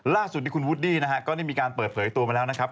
ล่าสุดที่คุณวูดดี้นะฮะก็ได้มีการเปิดเผยตัวมาแล้วนะครับ